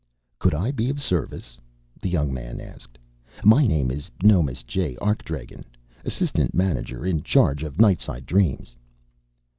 "Could I be of service?" the young man asked. "My name is Nomis J. Arkdragen, assistant manager in charge of nightside dreams."